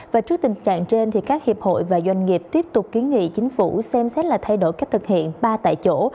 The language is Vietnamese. và trước tình trạng trên các hiệp hội và doanh nghiệp tiếp tục kiến nghị chính phủ xem xét là thay đổi cách thực hiện ba tại chỗ